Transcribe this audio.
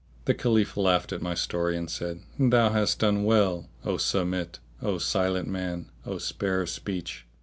The Caliph laughed at my story and said, "Thou hast done well, O Samit, O Silent Man, O spare of speech!"